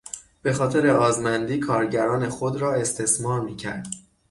به خاطر آزمندی کارگران خود را استثمار میکرد.